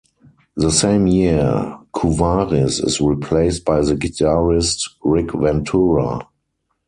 The same year, Kouvaris is replaced by the guitarist Rick Ventura.